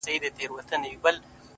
زړه ته د ښايست لمبه پوره راغلې نه ده،